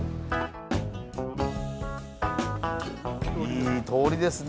いい通りですね